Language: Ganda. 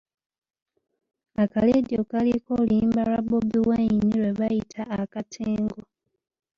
Akaleediyo kaaliko oluyimba lwa Bobi Wine lwe bayita Akatengo.